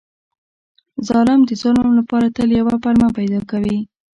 ظالم د ظلم لپاره تل یوه پلمه پیدا کوي.